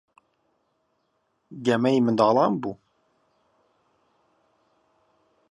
گەمەی منداڵان بوو.